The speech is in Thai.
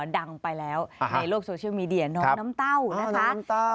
ดังไปแล้วในโลกโซเชียลมีเดียน้องน้ำเต้านะคะ